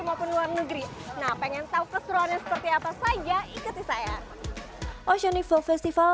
maupun luar negeri nah pengen tahu keseruannya seperti apa saja ikuti saya oceaniful festival